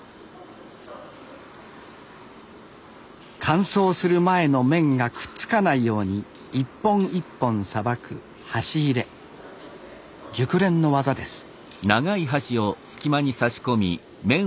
乾燥する前の麺がくっつかないように一本一本さばく熟練の技です。